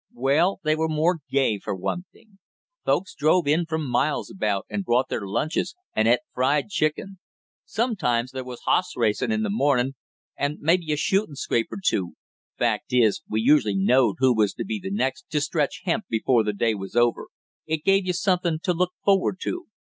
"Well, they were more gay for one thing; folks drove in from miles about and brought their lunches and et fried chicken. Sometimes there was hoss racing in the morning, and maybe a shooting scrape or two; fact is, we usually knowed who was to be the next to stretch hemp before the day was over, it gave you something to look forward to!